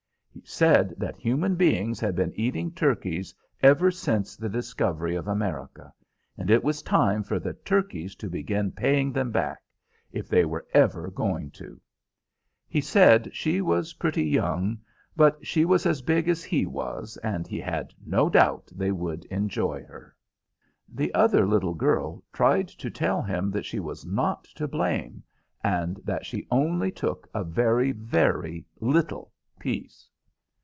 He said that human beings had been eating turkeys ever since the discovery of America, and it was time for the turkeys to begin paying them back, if they were ever going to. He said she was pretty young, but she was as big as he was, and he had no doubt they would enjoy her. The other little girl tried to tell him that she was not to blame, and that she only took a very, very little piece.